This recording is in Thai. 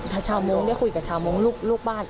ท่านเชาหมงได้คุยกับเชาหมงลูกบ้าน